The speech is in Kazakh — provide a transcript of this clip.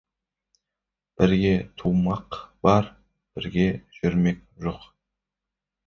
Бірге тумақ бар, бірге жүрмек жоқ.